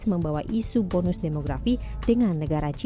membawa isu bonus demografi dengan negara g dua puluh